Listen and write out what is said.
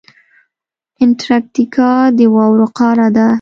انټارکټیکا د واورو قاره ده.